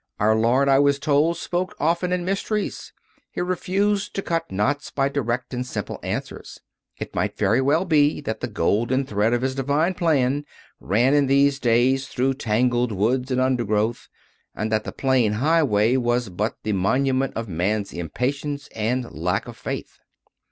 Our Lord, I was told, spoke often in mysteries; He refused to cut knots by direct and simple answers. It might very well be that the golden thread of His divine plan ran in these days through tangled woods and undergrowth, and that the plain highway was but the monument of man s impatience and lack of faith.